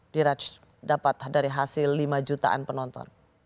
di rach dapat dari hasil lima jutaan penonton